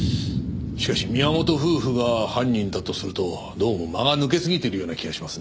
しかし宮本夫婦が犯人だとするとどうも間が抜けすぎているような気がしますねぇ。